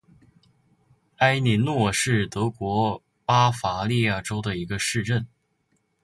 埃林格是德国巴伐利亚州的一个市镇。